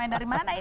main dari mana ini